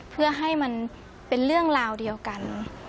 เพื่อให้มันเป็นเรื่องราวเดียวกัน